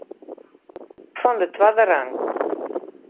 Fan de twadde rang.